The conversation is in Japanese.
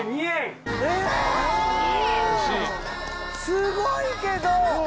すごいけど。